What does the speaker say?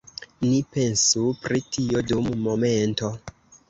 Ni pensu pri tio dum momento.